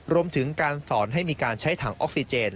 รวมถึงการสอนให้มีการใช้ถังออกซิเจน